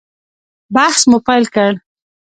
بحث مو پیل کړ.